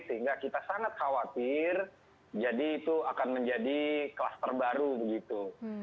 sehingga kita sangat khawatir jadi itu akan menjadi kluster baru begitu